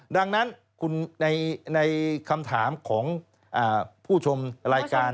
ดังนั้นในคำถามของผู้ชมรายการ